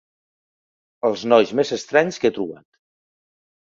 Els nois més estranys que he trobat.